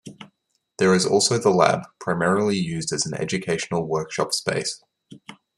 There is also The Lab, primarily used as an educational workshop space.